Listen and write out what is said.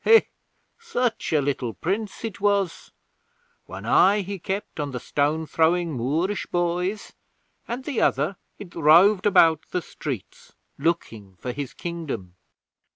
Hé! Such a little Prince it was! One eye he kept on the stone throwing Moorish boys, and the other it roved about the streets looking for his Kingdom.